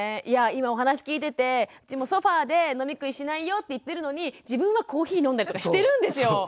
いや今お話聞いててうちもソファーで飲み食いしないよって言ってるのに自分はコーヒー飲んだりとかしてるんですよ。